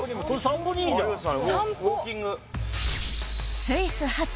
散歩